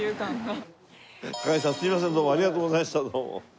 すいませんどうもありがとうございました。